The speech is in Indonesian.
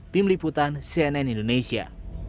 tim liputan cnn indonesia